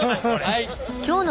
はい。